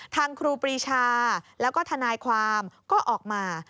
ครูปรีชาแล้วก็ทนายความก็ออกมา